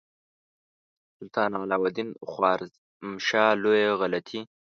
سلطان علاء الدین خوارزمشاه لویه غلطي.